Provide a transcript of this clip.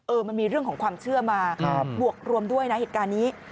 มันมีเรื่องของความเชื่อมาบวกรวมด้วยนะเหตุการณ์นี้